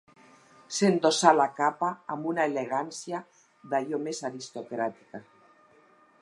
S'endossà la capa amb una elegància d'allò més aristocràtica.